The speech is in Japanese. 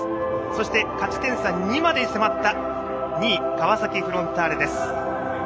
そして、勝ち点３２位までに迫った２位、川崎フロンターレです。